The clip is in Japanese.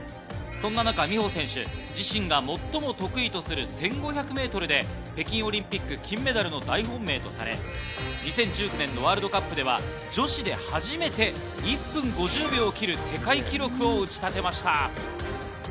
そんな中、美帆選手自身が最も得意とする１５００ｍで北京オリンピック金メダルの大本命とされ、２０１９年のワールドカップでは女子で初めて１分５０秒を切る世界記録を打ち立てました。